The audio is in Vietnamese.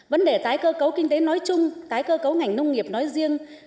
vấn đề tái cơ cấu kinh tế nói chung tái cơ cấu ngành nông nghiệp nói riêng